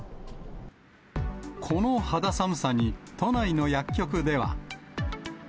この肌寒さに、都内の薬局では。